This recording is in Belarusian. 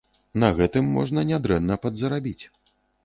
На гэтым можна нядрэнна падзарабіць.